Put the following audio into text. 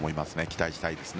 期待したいです。